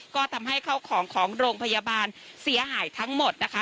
ก็ทำให้เข้าของของโรงพยาบาลเสียหายทั้งหมดนะคะ